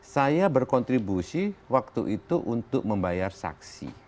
saya berkontribusi waktu itu untuk membayar saksi